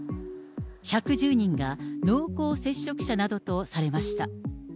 １１０人が濃厚接触者などとされました。